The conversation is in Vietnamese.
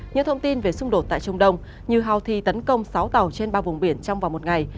những thông tin về xung đột tại trung đông như houthi tấn công sáu tàu trên ba vùng biển trong vòng một ngày